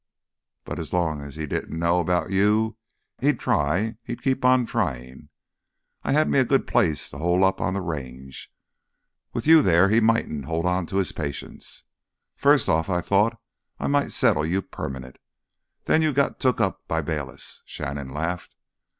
"But as long as he didn't know 'bout you, he'd try, an' keep on tryin'. I had me a good place to hole up on th' Range. With you there he might'n't hold on to his patience. First off I thought I might settle you permanent, then you got took up by Bayliss." Shannon laughed.